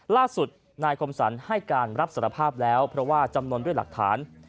ล่าสุดนายคมสรรให้การรับสารภาพแล้วเพราะว่าจำนวนด้วยหลักฐาน